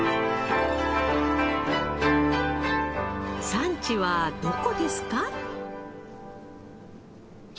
産地はどこですか？